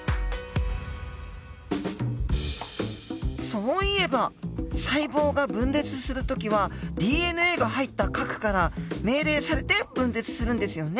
そういえば細胞が分裂する時はＤＮＡが入った核から命令されて分裂するんですよね。